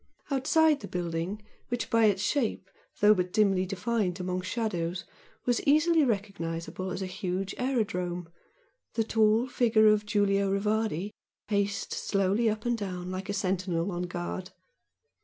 Outside the building which, by its shape, though but dimly defined among shadows, was easily recognisable as a huge aerodrome, the tall figure of Giulio Rivardi paced slowly up and down like a sentinel on guard.